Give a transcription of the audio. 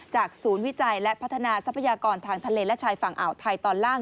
ศูนย์วิจัยและพัฒนาทรัพยากรทางทะเลและชายฝั่งอ่าวไทยตอนล่าง